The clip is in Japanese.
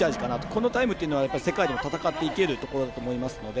このタイムというのは世界でも戦っていけるところだと思うので。